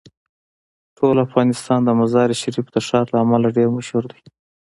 ټول افغانستان د مزارشریف د ښار له امله ډیر مشهور دی.